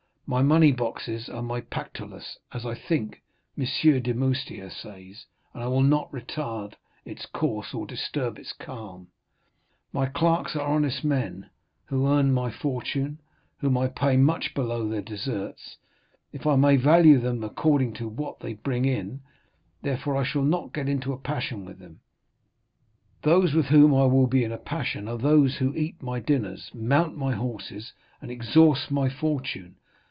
My money boxes are my Pactolus, as, I think, M. Demoustier says, and I will not retard its course, or disturb its calm. My clerks are honest men, who earn my fortune, whom I pay much below their deserts, if I may value them according to what they bring in; therefore I shall not get into a passion with them; those with whom I will be in a passion are those who eat my dinners, mount my horses, and exhaust my fortune."